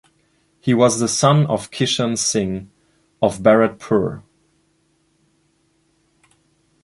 He was the son of Kishan Singh of Bharatpur.